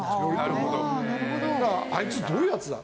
「あいつどういうやつだ？」